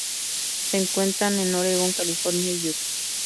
Se encuentra en Oregon, California y Utah.